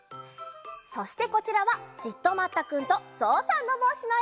そしてこちらは「じっとまったくん」と「ぞうさんのぼうし」のえ。